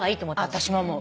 私も思う。